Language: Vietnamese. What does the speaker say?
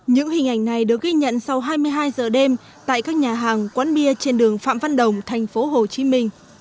những hình ảnh này được ghi nhận sau hai mươi hai giờ đêm tại các nhà hàng quán bia trên đường phạm văn đồng thành phố hồ chí minh